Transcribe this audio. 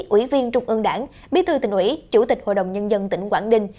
ủy viên trung ương đảng bí thư tỉnh ủy chủ tịch hội đồng nhân dân tỉnh quảng ninh